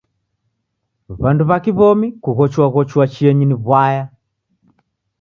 W'andu w'a kiw'omi kughochuaghochua chienyi ni w'aya.